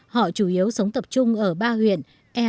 họ chủ yếu sống tập trung ở ba huyện